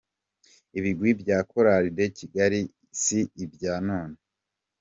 Ibigwi bya Chorale de Kigali si ibya none.